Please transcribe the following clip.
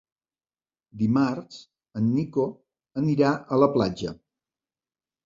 Dimarts en Nico anirà a la platja.